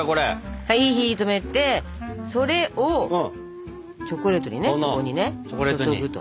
はい火を止めてそれをチョコレートにねそこにね注ぐと。